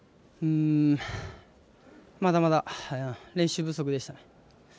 まだまだ練習不足でしたね。